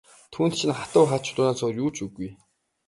Түүнд чинь хатуу хад чулуунаас өөр юу ч үгүй.